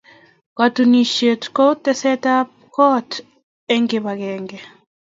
Katunisyet ko tekseetab koot eng kibagenge.